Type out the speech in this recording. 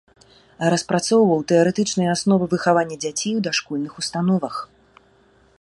Распрацоўваў тэарэтычныя асновы выхавання дзяцей у дашкольных установах.